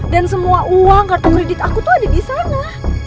dan semua uang kartu kredit aku tuh ada di sana